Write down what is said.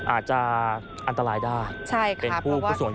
อาจจะอันตรายได้เป็นผู้ผู้ส่วนด้วยด้วย